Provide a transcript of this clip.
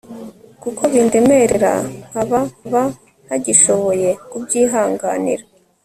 kuko bindemerera, nkaba ntagishoboye kubyihanganira